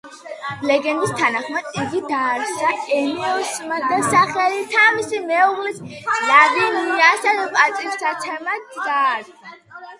ლეგენდის თანახმად იგი დააარსა ენეოსმა და სახელი თავისი მეუღლის ლავინიას პატივსაცემად დაარქვა.